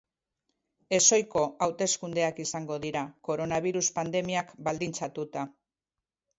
Ezohiko hauteskundeak izango dira, koronabirus pandemiak baldintzatuta.